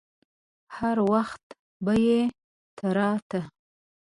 هر وخت به يې تراټه.